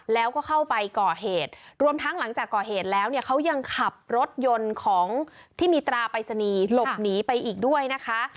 แล้วก็เข้าไปก่อเหตุรวมทั้งหลังจากก่อเหตุแล้วเนี่ยเขายังขับรถยนต์ของที่มีตราปริศนีย์หลบหนีไปอีกด้วยนะคะ